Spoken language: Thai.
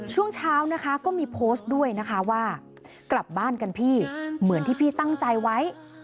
ช่วงเช้านะคะก็มีโพสต์ด้วยนะคะว่ากลับบ้านกันพี่เหมือนที่พี่ตั้งใจไว้